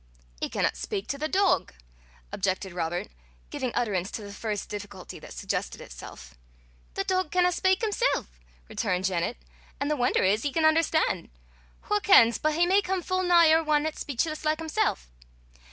"He canna speyk to the dog," objected Robert, giving utterance to the first difficulty that suggested itself. "The dog canna speyk himsel'," returned Janet, "an' the won'er is he can un'erstan': wha kens but he may come full nigher ane 'at's speechless like himsel'!